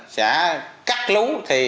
sẽ cắt lú